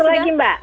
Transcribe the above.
satu lagi mbak